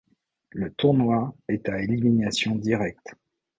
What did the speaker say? Le tournoi est à élimination directe.